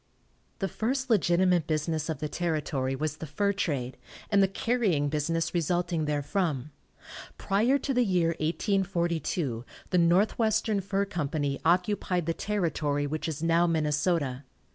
The first legitimate business of the territory was the fur trade, and the carrying business resulting therefrom. Prior to the year 1842 the Northwestern Fur Company occupied the territory which is now Minnesota.